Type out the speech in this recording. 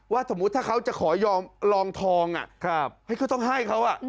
สมมุติถ้าเขาจะขอยอมลองทองให้เขาต้องให้เขา